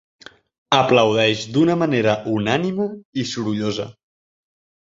Aplaudeix d'una manera unànime i sorollosa.